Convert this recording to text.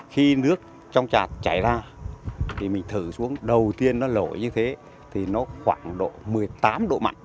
khi nước trong chạt chảy ra thì mình thử xuống đầu tiên nó lổi như thế thì nó khoảng độ một mươi tám độ mặn